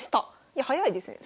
いや早いですね。